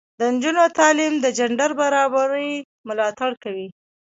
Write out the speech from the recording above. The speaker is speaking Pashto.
د نجونو تعلیم د جنډر برابري ملاتړ کوي.